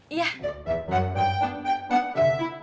bawa mixer yang kau mau